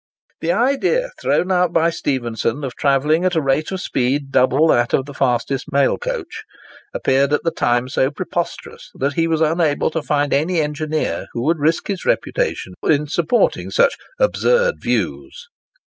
The idea thrown out by Stephenson, of travelling at a rate of speed double that of the fastest mail coach, appeared at the time so preposterous that he was unable to find any engineer who would risk his reputation in supporting such "absurd views."